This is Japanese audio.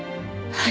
はい。